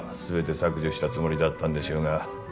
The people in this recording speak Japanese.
全て削除したつもりだったんでしょうが